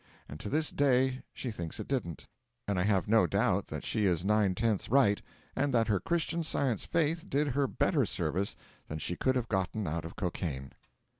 And to this day she thinks it didn't, and I have not a doubt that she is nine tenths right, and that her Christian Science faith did her better service than she could have gotten out of cocaine.